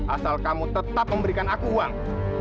asal kamu tetap memberikan aku uang